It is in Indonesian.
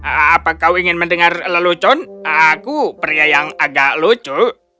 apa kau ingin mendengar lelucon aku pria yang agak lucu